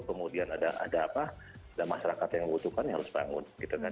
kemudian ada masyarakat yang membutuhkan harus bangun gitu kan